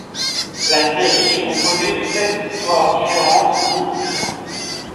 La série est composée de seize histoires différentes, non titrées.